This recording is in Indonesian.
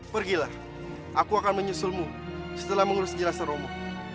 pergilah aku akan menyusulmu setelah mengurus jelasan roma